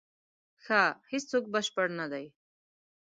ښه، هیڅوک بشپړ نه دی.